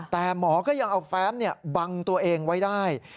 แต่หมอก็ยังเอาแฟ้มบังตัวเองไว้ได้